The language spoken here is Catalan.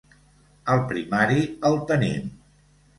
Al primari, el tenim.